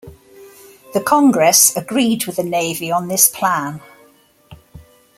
The Congress agreed with the Navy on this plan.